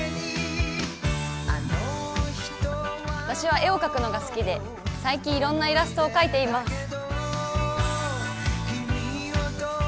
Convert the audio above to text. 私は絵を描くのが好きで、最近、いろいろなイラストを描いています。